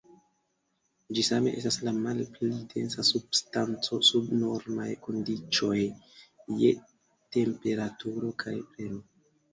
Ĝi same estas la malpli densa substanco sub normaj kondiĉoj je temperaturo kaj premo.